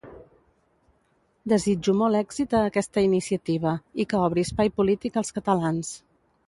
Desitjo molt èxit a aquesta iniciativa, i que obri espai polític als catalans.